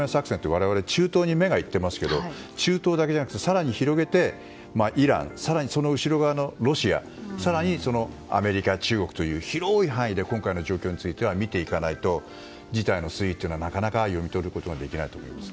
我々、中東に目が行ってますけど中東だけじゃなく、更に広げてイラン、その後ろ側のロシア更にアメリカ、中国という広い範囲で今回の状況については見ていかないと、事態の推移はなかなか読み取ることはできないと思います。